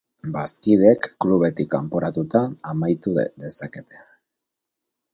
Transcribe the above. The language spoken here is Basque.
Bazkideek klubetik kanporatuta amaitu dezakete.